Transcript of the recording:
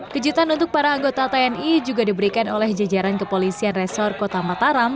kejutan untuk para anggota tni juga diberikan oleh jajaran kepolisian resor kota mataram